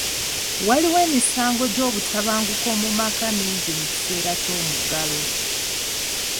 Waaliwo emisango gy'obutabanguko mu maka mingi mu kiseera ky'omuggalo.